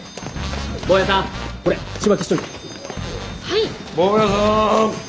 はい。